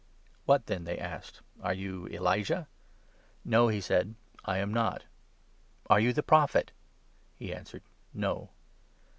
" What then ?" they asked. " Are you Elijah ?" 21 "No, "he said, " I am not." "Are you ' the Prophet '?" He answered " No."